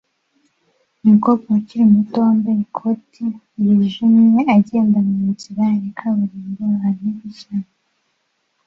Umukobwa ukiri muto wambaye ikoti yijimye agenda munzira ya kaburimbo ahantu h'ishyamba